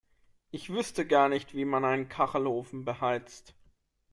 Ich wüsste gar nicht, wie man einen Kachelofen beheizt.